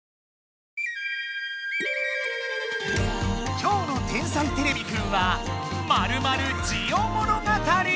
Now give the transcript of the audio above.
今日の「天才てれびくん」はまるまる「ジオ物語」！